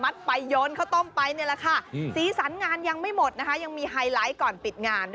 มัดไปเย็นข้าวต้มในและศอดสันงานยังไม่หมดจากการ